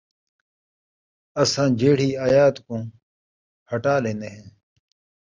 اَساں جِہڑی آیت کوں ہٹا ݙیندے ہَیں،